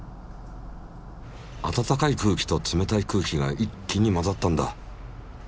あたたかい空気と冷たい空気が一気に混ざったんだ。